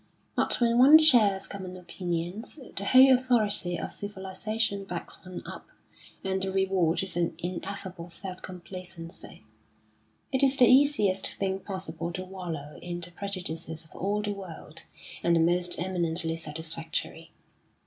But when one shares common opinions, the whole authority of civilisation backs one up, and the reward is an ineffable self complacency. It is the easiest thing possible to wallow in the prejudices of all the world, and the most eminently satisfactory.